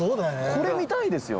これ見たいですよね。